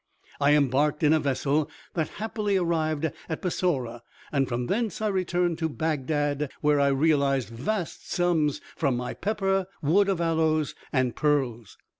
I embarked in a vessel that happily arrived at Bussorah; from thence I returned to Bagdad, where I realized vast sums from my pepper, wood of aloes, and pearls.